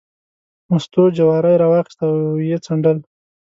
مستو جواری راواخیست او یې څنډل.